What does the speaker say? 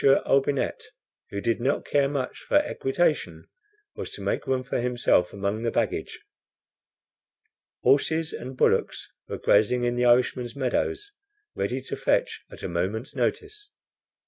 Olbinett, who did not much care for equitation, was to make room for himself among the baggage. Horses and bullocks were grazing in the Irishman's meadows, ready to fetch at a moment's notice.